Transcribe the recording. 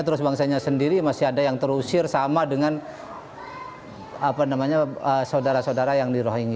terus bangsanya sendiri masih ada yang terusir sama dengan saudara saudara yang di rohingya